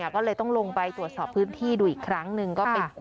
ก็เลยต้องลงไปตรวจสอบพื้นที่ดูอีกครั้งหนึ่ง